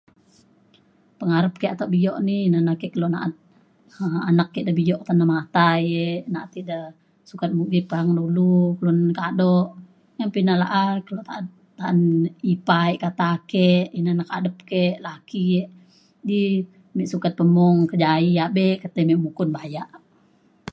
pengarep ke atek bio ni na na ake kelo na’at anek ke bio pe na matai na’at ida sukat mudip ta’ang dulu kelunan kado ngan pe ina la’a kelo ta’an ipar ipar yak kata ke ina na kadep ke laki ke di me sukat pemung kejaie abe ketai me mukun bayak